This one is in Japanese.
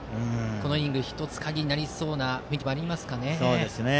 このイニング、１つ鍵になりそうな雰囲気ありますか。